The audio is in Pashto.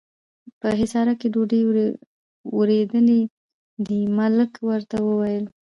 په حصارک کې ډوډۍ ورېدلې ده، ملک ورته وویل.